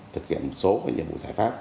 thực hiện số và nhiệm vụ giải pháp